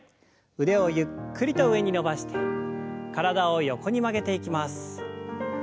腕をゆっくりと上に伸ばして体を横に曲げていきます。